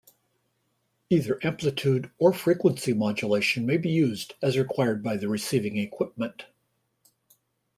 Either amplitude or frequency modulation may be used, as required by the receiving equipment.